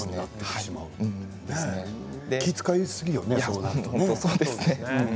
気を遣いすぎよね。